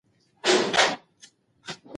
د پښتو د هرې لهجې ږغ ته اړتیا ده.